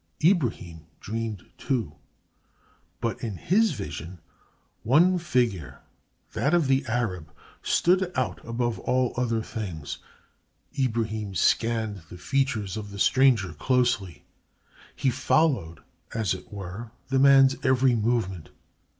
Ibrahim dreamed, too, but in his vision one figure, that of the Arab, stood out above all other things. Ibrahim scanned the features of the stranger closely; he followed, as it were, the man's every movement.